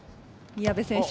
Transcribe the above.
宮部選手